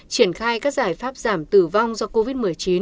triển khai các giải pháp giảm tử vong do covid một mươi chín